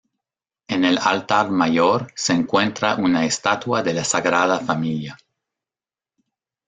En el altar mayor se encuentra una estatua de la Sagrada Familia.